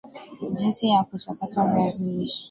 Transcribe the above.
jinsi ya kuchakata viazi lishe